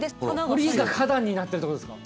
堀が花壇になってるってことですか。